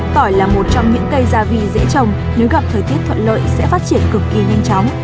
tỏi là một trong những cây gia vị dễ trồng nếu gặp thời tiết thuận lợi sẽ phát triển cực kỳ nhanh chóng